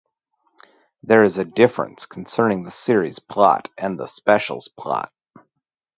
There is a difference concerning the series' plot and the special's plot.